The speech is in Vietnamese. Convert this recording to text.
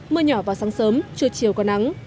mưa nhỏ vào sáng sớm trưa chiều có nắng